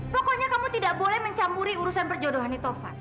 pokoknya kamu tidak boleh mencampuri urusan perjodohannya tava